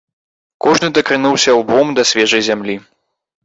Кожны дакрануўся лбом да свежай зямлі.